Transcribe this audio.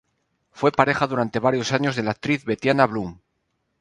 Fue pareja durante varios años de la actriz Betiana Blum.